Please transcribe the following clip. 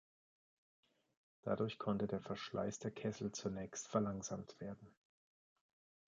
Dadurch konnte der Verschleiß der Kessel zunächst verlangsamt werden.